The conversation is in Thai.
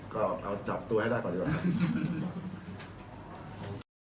ก็เอาจับตัวให้ได้ก่อนดีกว่าครับ